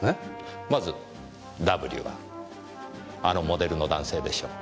まずＷはあのモデルの男性でしょう。